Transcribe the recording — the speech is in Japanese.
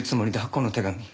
この手紙。